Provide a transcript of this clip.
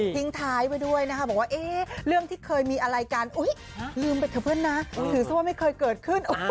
ท้ายไปด้วยนะคะบอกว่าเรื่องที่เคยมีอะไรกันอุ๊ยลืมไปเถอะเพื่อนนะถือซะว่าไม่เคยเกิดขึ้น